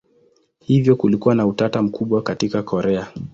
Hivyo kulikuwa na utata mkubwa katika Korea.